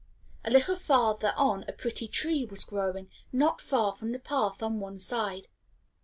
A little farther on a pretty tree was growing, not far from the path on one side.